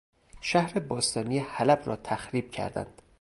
شهر باستانی حلب را تخریب کردند